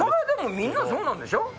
でもみんなそうなんでしょ？